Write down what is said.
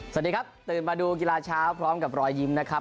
สวัสดีครับตื่นมาดูกีฬาเช้าพร้อมกับรอยยิ้มนะครับ